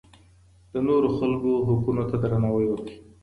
د نورو خلکو حقونو ته درناوی وکړئ.